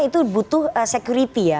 itu butuh security ya